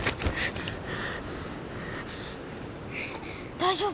大丈夫？